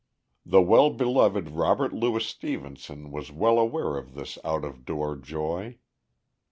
The well beloved Robert Louis Stevenson was well aware of this out of door joy.